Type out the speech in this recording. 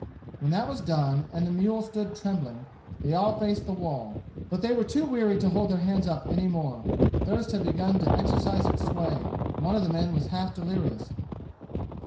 When that was done, and the mule stood trembling, they all faced the wall. But they were too weary to hold their hands up any more. Thirst had begun to exercise its sway. One of the men was half delirious.